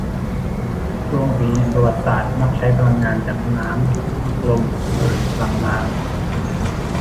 โรงสีแห่งประวัติศาสตร์มักใช้พลังงานจากน้ำลมหรือพลังม้า